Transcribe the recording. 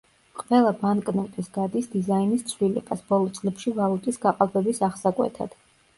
ყველა ბანკნოტის გადის დიზაინის ცვლილებას, ბოლო წლებში ვალუტის გაყალბების აღსაკვეთად.